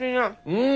うん！